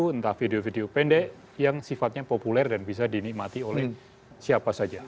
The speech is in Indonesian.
entah video video pendek yang sifatnya populer dan bisa dinikmati oleh siapa saja